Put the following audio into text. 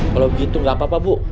kalau begitu gak apa apa bu